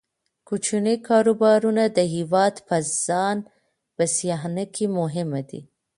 کوچني کاروبارونه د هیواد په ځان بسیاینه کې مهم دي.